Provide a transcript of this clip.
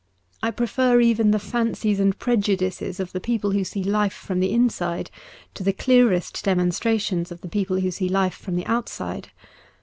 I prefer even the fancies and prejudices of the people who see life from the inside to the clearest demonstrations of the people who see life from the outside.